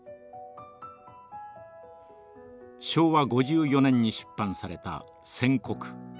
昭和５４年に出版された「宣告」。